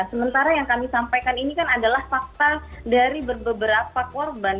sementara yang kami sampaikan ini kan adalah fakta dari beberapa korban